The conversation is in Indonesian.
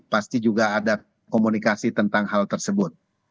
pasti juga ada komunikasi tentang hal tersebut